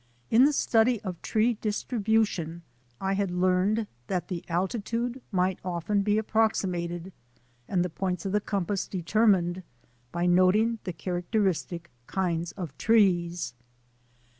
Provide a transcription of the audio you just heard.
In the study of tree distribution I had learned that the altitude might often he ap proximated and the points of the compass deter mined by noting the characteristic kinds of trees.